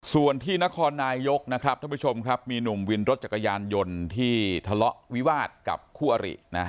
ส่วนที่นครนายกนะครับท่านผู้ชมครับมีหนุ่มวินรถจักรยานยนต์ที่ทะเลาะวิวาสกับคู่อริ